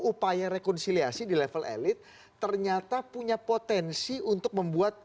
upaya rekonsiliasi di level elit ternyata punya potensi untuk membuat